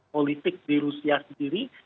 politik di rusia sendiri